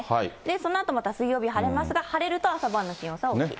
そのあとまた水曜日晴れますが、晴れると朝晩の気温差は大きいです。